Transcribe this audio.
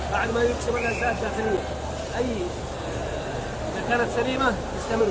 hai al mayyub semangat jahili ayyai